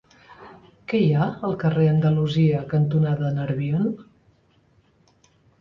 Què hi ha al carrer Andalusia cantonada Nerbion?